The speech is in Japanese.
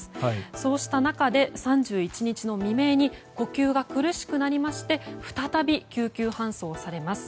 そうした中で３１日の未明に呼吸が苦しくなりまして再び救急搬送されます。